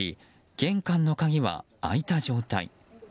玄関の鍵は開いた状態。